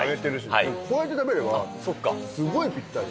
こうやって食べれば、すごいぴったり。